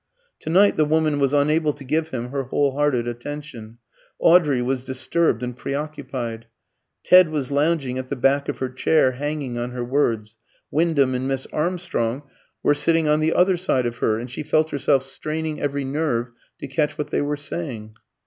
To night the woman was unable to give him her whole hearted attention. Audrey was disturbed and preoccupied. Ted was lounging at the back of her chair, hanging on her words; Wyndham and Miss Armstrong were sitting on the other side of her, and she felt herself straining every nerve to catch what they were saying.